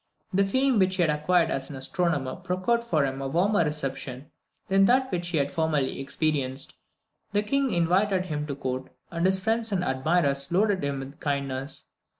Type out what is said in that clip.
The fame which he had acquired as an astronomer procured for him a warmer reception than that which he had formerly experienced. The King invited him to court, and his friends and admirers loaded him with kindness.